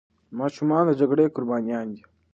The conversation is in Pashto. ماشومان د جګړې قربانيان دي.